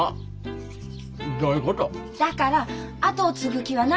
だから後を継ぐ気はないんですか？